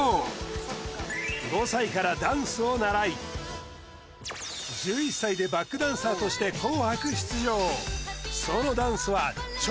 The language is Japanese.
５歳からダンスを習い１１歳でバックダンサーとして紅白出場